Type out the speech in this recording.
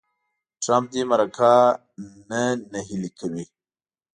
ټرمپ دې مرکه نه نهیلې کوي.